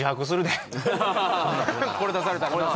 これ出されたらな